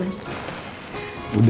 mas mau jatuh